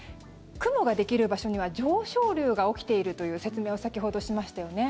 雲ができる場所には上昇流が起きているという説明を先ほどしましたよね。